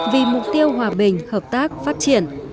vì mục tiêu hòa bình hợp tác phát triển